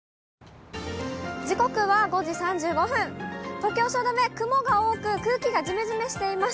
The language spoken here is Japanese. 東京・汐留、雲が多く、空気がじめじめしています。